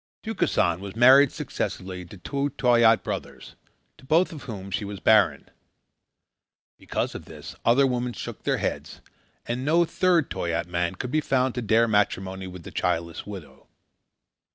Tukesan was married successively to two Toyaat brothers, to both of whom she was barren. Because of this, other women shook their heads, and no third Toyaat man could be found to dare matrimony with the childless widow.